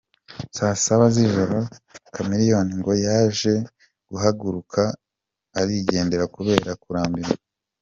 Saa Saba z'ijoro Chameleone ngo yaje guhaguruka arigendera kubera kurambirwa.